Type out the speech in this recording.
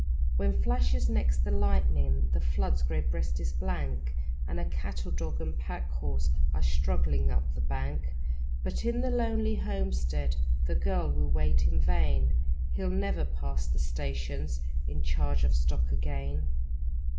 When flashes next the lightning, The flood's grey breast is blank, And a cattle dog and pack horse Are struggling up the bank. But in the lonely homestead The girl will wait in vain He'll never pass the stations In charge of stock again.